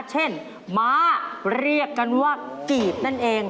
ม้าเรียกกันว่ากีบนั่นเอง